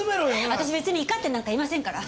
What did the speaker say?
私別に怒ってなんかいませんから。